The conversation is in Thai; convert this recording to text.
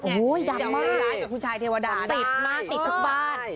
พูดเด็กเลยยังได้ร้ายกับคนชายเทวดาติดมากเคยคือติดทุกบ้าน